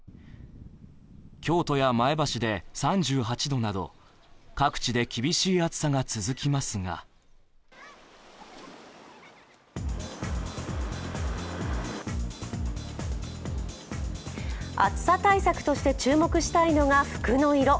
京都や前橋で３８度など各地で厳しい暑さが続きますが暑さ対策として注目したいのが服の色。